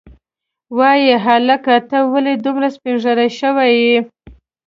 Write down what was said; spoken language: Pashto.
وای هلکه ته ولې دومره سپینږیری شوی یې.